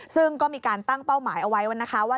ซึ่งก็มีการตั้งเป้าหมายเอาไว้นะคะว่า